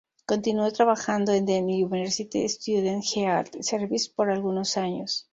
Continuó trabajando en the University Student Health Service por algunos años.